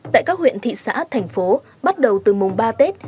tại các huyện thị xã thành phố bắt đầu từ mùng ba tết